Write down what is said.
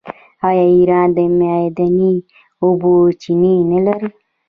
آیا ایران د معدني اوبو چینې نلري؟